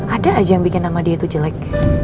ada aja yang bikin nama dia itu jelek